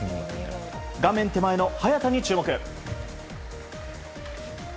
画面手前の早田に注目。